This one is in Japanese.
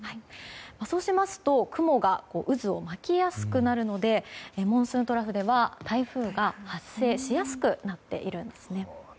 そうしますと雲が渦を巻きやすくなるのでモンスーントラフでは台風が発生しやすくなっているんですね。